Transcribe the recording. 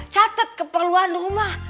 catet keperluan rumah